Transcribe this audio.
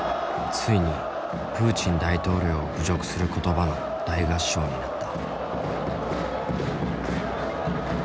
ついにプーチン大統領を侮辱する言葉の大合唱になった。